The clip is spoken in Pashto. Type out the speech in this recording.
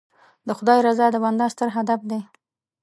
د خدای رضا د بنده ستر هدف دی.